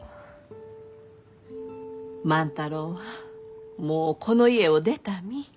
万太郎はもうこの家を出た身。